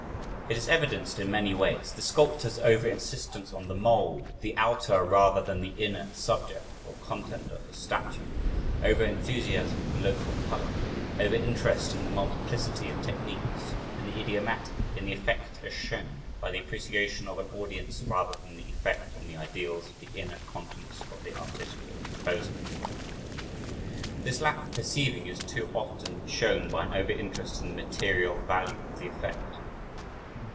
It is evidenced in many ways the sculptors' over insistence on the "mold," the outer rather than the inner subject or content of his statue over enthusiasm for local color over interest in the multiplicity of techniques, in the idiomatic, in the effect as shown, by the appreciation of an audience rather than in the effect on the ideals of the inner conscience of the artist or the composer. This lack of perceiving is too often shown by an over interest in the material value of the effect.